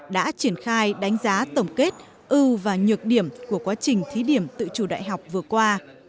đã triển khai đánh giá tổng kết ưu và nhược điểm của quá trình thí điểm tự chủ đại học vừa qua